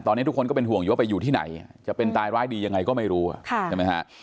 ตอนนี้ทุกคนก็เป็นห่วงอยู่ว่าไปอยู่ที่ไหนจะเป็นตายร้ายดียังไงก็ไม่รู้ใช่ไหมฮะ